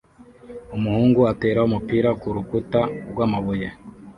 Umuhungu atera umupira kurukuta rwamabuye